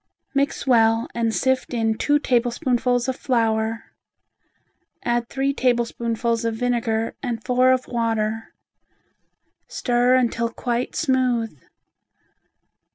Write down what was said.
Mix well and sift in two tablespoonfuls of flour. Add three tablespoonfuls of vinegar and four of water. Stir until quite smooth.